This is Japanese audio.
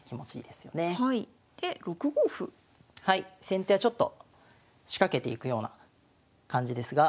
先手はちょっと仕掛けていくような感じですが。